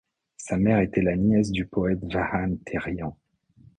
Sa mère était la nièce du poète Vahan Térian.